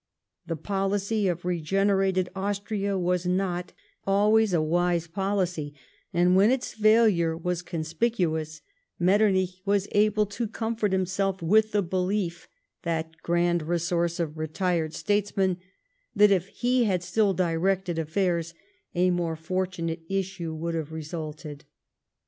The policy of regenerated Austria was not always a wise policy, and when its failure was conspicuous Metternich was able to comfort himself with the belief — that grand resource of retired statesmen — that if he had still directed affairs, a more fortunate issue would have resulted.